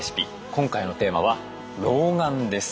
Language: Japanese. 今回のテーマは老眼です。